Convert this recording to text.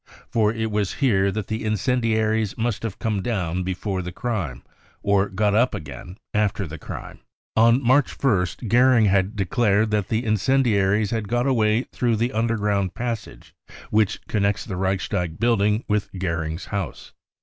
For it was here that the incendiaries must have come down before the crime or got up again after the crimes*" OncMarch 1st Goering had declared that the incendiaries bad got away through the underground passage which connects the Reichstag building with Goering's house.